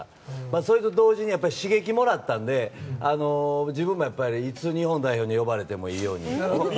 それと同時に刺激をもらったんで自分も、いつ日本代表に呼ばれてもいいように。